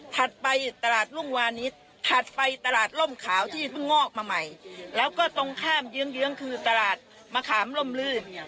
ถัดไปตลาดรุ่งวานิสถัดไปตลาดร่มขาวที่เพิ่งงอกมาใหม่แล้วก็ตรงข้ามเยื้องคือตลาดมะขามล่มลื่น